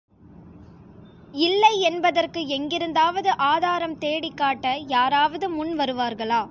இல்லை என்பதற்கு எங்கிருந்தாவது ஆதாரம் தேடிக்காட்ட, யாராவது முன் வருவார்களா?